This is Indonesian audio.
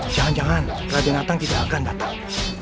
jangan jangan pera denatang tidak akan datang